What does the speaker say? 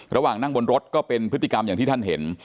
ระหว่างนั่งบนรถก็เป็นพฤติกรรมอย่างที่ท่านเห็น